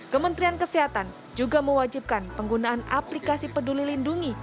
kementerian kesehatan juga mewajibkan penggunaan aplikasi peduli lindungi